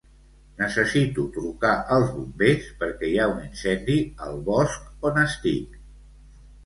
Necessito trucar als bombers perquè hi ha un incendi al bosc on estic.